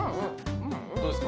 どうですか？